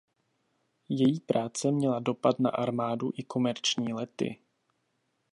Její práce měla dopad na armádu i komerční lety.